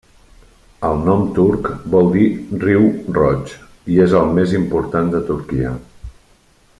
El nom turc vol dir 'Riu Roig' i és el més important de Turquia.